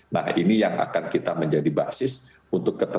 nah ini yang akan kita menjadi basis untuk ketersedia